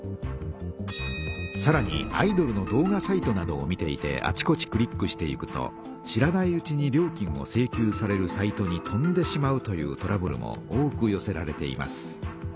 さらにアイドルの動画サイトなどを見ていてあちこちクリックしていくと知らないうちに料金を請求されるサイトに飛んでしまうというトラブルも多くよせられています。